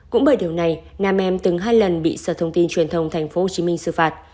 cũng bởi điều này nam em từng hai lần bị sở thông tin truyền thông tp hcm xử phạt